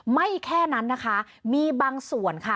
ไม่แค่นั้นนะคะมีบางส่วนค่ะ